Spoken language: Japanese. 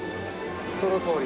そのとおり。